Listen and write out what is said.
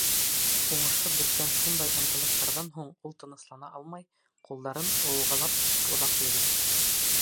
Уңышһыҙ бөткән шундай ынтылыштарҙан һуң ул тыныслана алмай, ҡулдарын ыуғылап бик оҙаҡ йөрөй.